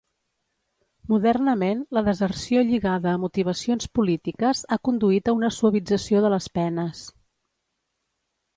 Modernament, la deserció lligada a motivacions polítiques ha conduït a una suavització de les penes.